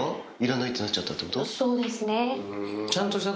そうですね。